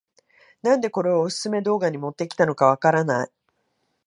なんでこれをオススメ動画に持ってきたのかわからない